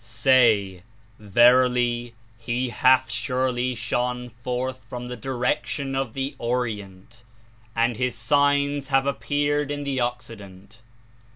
"Say: Verily He hath surely shone forth from the direction of the Orient, and His Signs have appeared in the Occident.